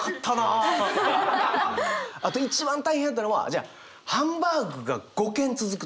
あと一番大変やったのはじゃあハンバーグが５軒続くとか。